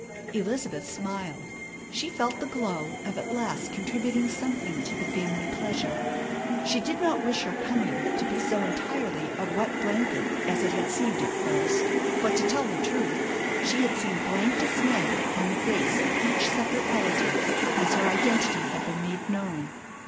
Elizabeth smiled. She felt the glow of at last contributing something to the family pleasure. She did not wish her coming to be so entirely a wet blanket as it had seemed at first; for, to tell the truth, she had seen blank dismay on the face of each separate relative as her identity had been made known.